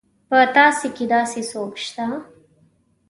په تاسي کې داسې څوک شته.